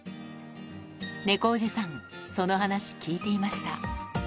猫おじさん、その話聞いていました。